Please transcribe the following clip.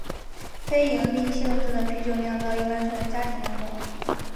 非营利性质的啤酒酿造一般称为家庭酿造。